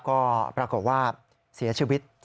ก็ปรากฏว่าเสียชีวิต